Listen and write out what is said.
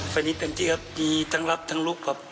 ฟานิสตันที่ครับมีทั้งลับทั้งลุบครับ